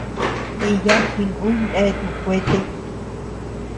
Diya jinuy neatuu kuete.